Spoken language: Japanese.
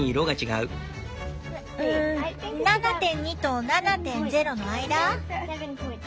うん７．２と７．０の間？